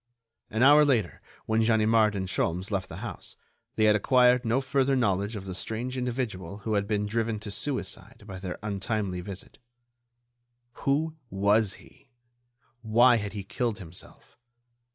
An hour later, when Ganimard and Sholmes left the house, they had acquired no further knowledge of the strange individual who had been driven to suicide by their untimely visit. Who was he? Why had he killed himself?